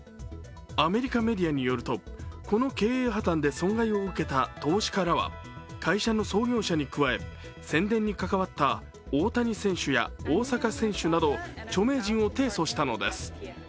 アメリカメディアによるとこの経営破綻で損害を受けた投資からは会社の創業者に加え、宣伝に関わった大谷選手や大坂選手など著名人を提訴したのです。